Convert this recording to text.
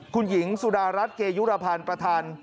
คุณหญิงสุดารัฐเกยุรพันธ์ประธาน